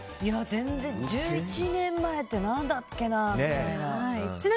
全然、１１年前って何だっけなみたいな。